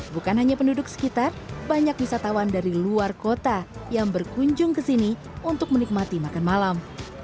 bukan hanya penduduk sekitar banyak wisatawan dari luar kota yang berkunjung ke sini untuk menikmati makan malam